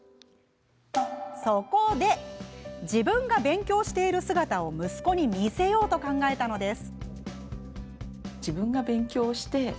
そこで、自分が勉強している姿を息子に見せようと考えたのです。